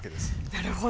なるほど。